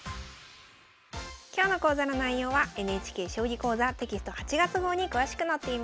今日の講座の内容はＮＨＫ「将棋講座」テキスト８月号に詳しく載っています。